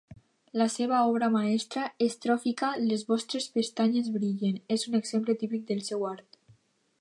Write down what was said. La seva obra mestra estròfica "Les vostres pestanyes brillen" és un exemple típic del seu art.